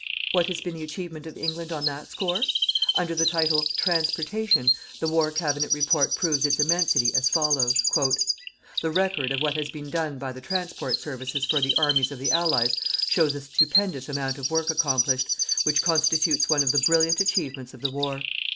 What has been the achievement of England on that score? Under the title: "Transportation" the War Cabinet Report proves its immensity as follows: The record of what has been done by the transport services for the Armies of the Allies shows a stupendous amount of work accomplished, which constitutes one of the brilliant achievements of the war.